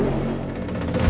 mas surya di kalimantan